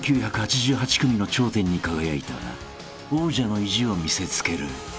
組の頂点に輝いた王者の意地を見せつける］